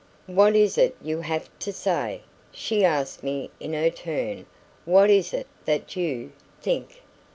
"What is it you have to say?" she asked me in her turn. "What is it that you think?"